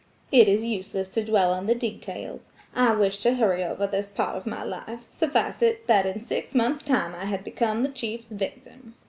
It is useless to dwell on the details–I wish to hurry over this part of my life–suffice it that in six months time I had become the chief's victim.